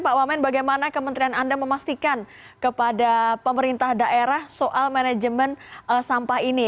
pak wamen bagaimana kementerian anda memastikan kepada pemerintah daerah soal manajemen sampah ini